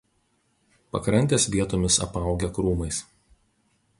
Pakrantės vietomis apaugę krūmais.